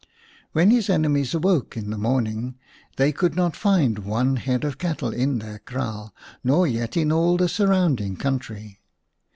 When his enemies woke in the morning they could not find one head of cattle in their kraal, nor yet in all the surrounding country.